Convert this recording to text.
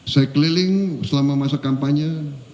saya keliling selama masa kampanye